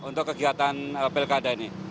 untuk kegiatan pilkada ini